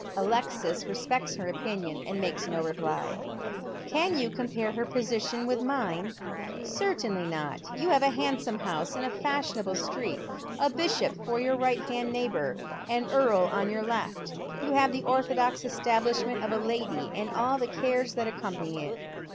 Alexis respects her opinion, and makes no reply. " Can you compare her position with mine ?"" Certainly not. You have a handsome house in a fashionable street, a bishop for your right hand neighbour, an earl on youi left hand. You have the orthodox establishment of a lady, and all the cares that accompany it.